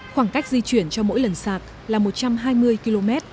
khoảng cách di chuyển cho mỗi lần sạc là một trăm hai mươi km